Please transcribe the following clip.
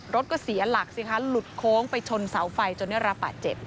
รถก็เสียหลักสิคะหลุดโค้งไปชนเสาไฟจนได้รับบาดเจ็บ